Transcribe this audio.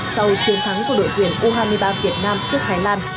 sau chiến thắng của đội tuyển u hai mươi ba việt nam trước thái lan